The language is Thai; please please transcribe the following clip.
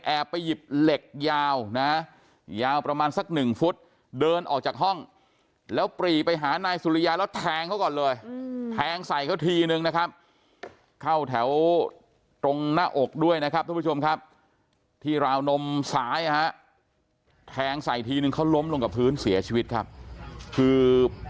ไปหยิบเหล็กยาวนะยาวประมาณสักหนึ่งฟุตเดินออกจากห้องแล้วปรีไปหานายสุริยาแล้วแทงเขาก่อนเลยแทงใส่เขาทีนึงนะครับเข้าแถวตรงหน้าอกด้วยนะครับทุกผู้ชมครับที่ราวนมซ้ายนะฮะแทงใส่ทีนึงเขาล้มลงกับพื้นเสียชีวิตครับคือ